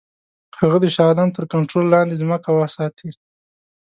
هغه د شاه عالم تر کنټرول لاندي ځمکې وساتي.